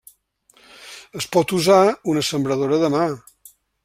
Es pot usar una sembradora de mà.